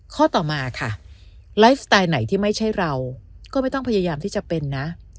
ข้อต่อมาค่ะไลฟ์สไตล์ไหนที่ไม่ใช่เราก็ไม่ต้องพยายามที่จะเป็นนะ